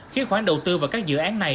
khiến khoản đầu tư và các dự án này